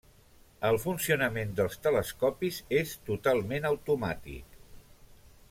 El funcionament dels telescopis és totalment automàtic.